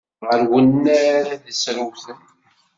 Ɣer unnar ad srewten.